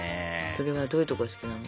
それはどういうとこが好きなの？